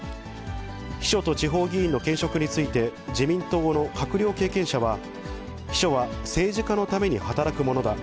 秘書と地方議員の兼職について自民党の閣僚経験者は、秘書は政治家のために働くものだ。